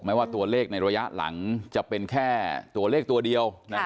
ว่าตัวเลขในระยะหลังจะเป็นแค่ตัวเลขตัวเดียว